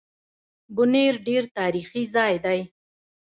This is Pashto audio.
بونېر ډېر تاريخي ځای دی